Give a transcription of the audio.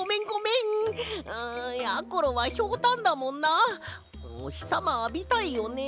んやころはひょうたんだもんなおひさまあびたいよね。